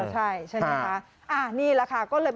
ใช่ใช่นี่แหละค่ะ